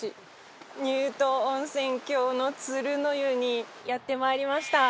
乳頭温泉郷の鶴の湯にやってまいりました。